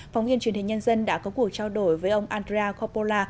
phóng viên truyền hình nhân dân đã có cuộc trao đổi với ông andrea coppola